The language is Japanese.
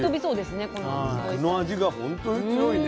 この味が本当に強いね。